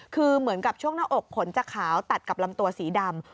คือเหมือนกับช่วงหน้าอกขนจะขาวตัดกับลำตัวสีดำ